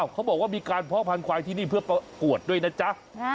เขาบอกว่ามีการเพาะพันธวายที่นี่เพื่อประกวดด้วยนะจ๊ะ